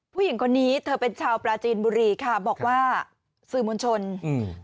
ผู้หญิงคนนี้เธอเป็นชาวปลาจีนบุรีค่ะบอกว่าสื่อมวลชนอืม